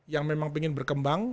yang memang pengen berkembang